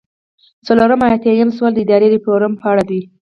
څلور ایاتیام سوال د اداري ریفورم په اړه دی.